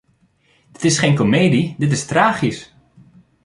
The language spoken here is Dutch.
Dit is geen komedie, dit is tragisch.